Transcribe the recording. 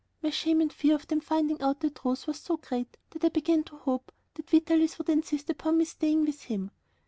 My shame and fear of them finding out the truth was so great that I began to hope that Vitalis would insist upon me staying with him.